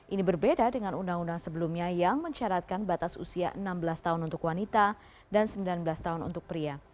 ini berbeda dengan undang undang sebelumnya yang mencaratkan batas usia enam belas tahun untuk wanita dan sembilan belas tahun untuk pria